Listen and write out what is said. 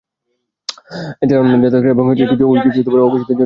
এছাড়া অন্যান্য জাতীয়তার এবং কিছু অঘোষিত জনগোষ্ঠী বাস করে।